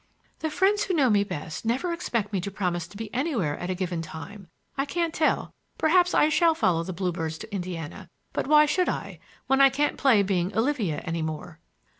"The friends who know me best never expect me to promise to be anywhere at a given time. I can't tell; perhaps I shall follow the bluebirds to Indiana; but why should I, when I can't play being Olivia any more?"